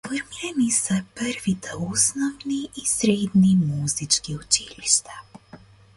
Формирани се првите основни и средни музички училишта.